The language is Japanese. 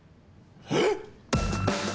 えっ！？